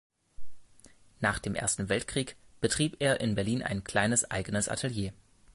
Nach dem Ersten Weltkrieg betrieb er in Berlin ein kleines eigenes Atelier.